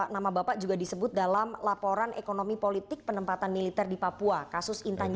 nama bapak juga disebut dalam laporan ekonomi politik penempatan militer di papua kasus intannya